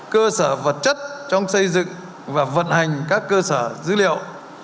cơ sở vật chất trong xây dựng và vận hành các cơ sở dữ liệu